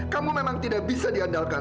kamu memang tidak bisa diandalkan